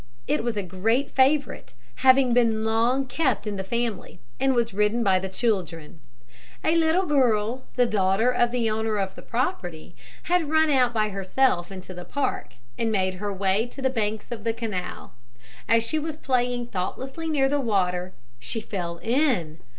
It was a great favourite, having been long kept in the family, and was ridden by the children. A little girl the daughter of the owner of the property had run out by herself into the park, and made her way to the banks of the canal. As she was playing thoughtlessly near the water, she fell in.